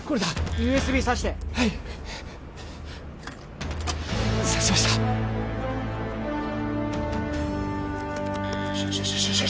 ＵＳＢ挿してはい挿しましたよしよしよしよしよしよ